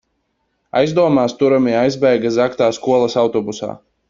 Aizdomās turamie aizbēga zagtā skolas autobusā.